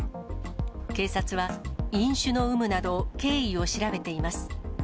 警察は、飲酒の有無など、経緯を調べています。